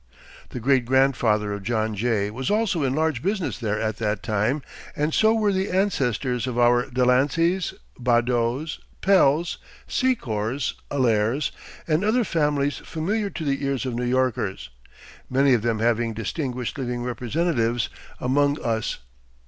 The great grandfather of John Jay was also in large business there at that time, and so were the ancestors of our Delanceys, Badeaus, Pells, Secors, Allaires, and other families familiar to the ears of New Yorkers, many of them having distinguished living representatives among us.